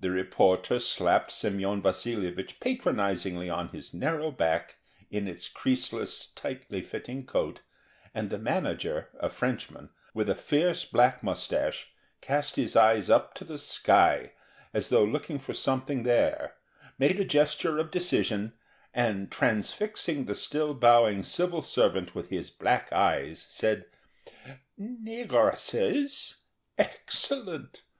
The reporter slapped Semyon Vasilyevich patronizingly on his narrow back, in its creaseless, tightly fitting coat, and the Manager, a Frenchman, with a fierce black moustache, cast his eyes up to the sky, as though looking for something there, made a gesture of decision, and transfixing the still bowing civil servant with his black eyes, said: "Negresses! Excellent!